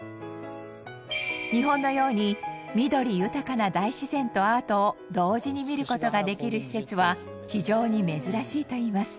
日本のように緑豊かな大自然とアートを同時に見る事ができる施設は非常に珍しいといいます。